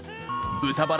豚バラ。